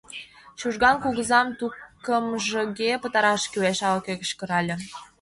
— Чужган кугызам тукымжыге пытараш кӱлеш! — ала-кӧ кычкырале.